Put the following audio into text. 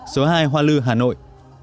số hai hoa lư hà nội